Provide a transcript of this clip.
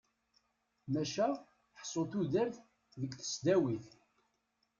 Maca ḥsu tudert deg tesdawit.